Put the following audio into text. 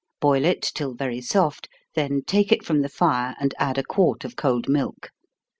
Boil it till very soft, then take it from the fire, and add a quart of cold milk.